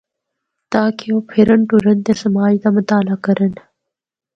تاکہ او پھرّن ٹرّن تے سماج دا مطالع کرّن۔